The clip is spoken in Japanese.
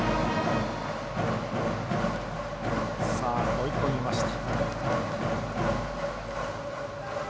追い込みました。